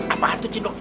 apaan tuh cinlok